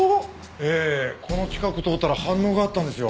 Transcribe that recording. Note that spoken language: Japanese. ええこの近く通ったら反応があったんですよ。